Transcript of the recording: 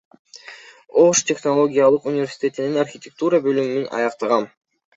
Ош технологиялык университетинин архитектура бөлүмүн аяктагам.